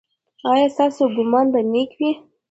ایا ستاسو ګمان به نیک وي؟